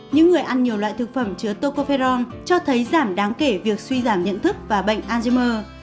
những người ăn nhiều loại thực phẩm chứa tokopheron cho thấy giảm đáng kể việc suy giảm nhận thức và bệnh alzhimer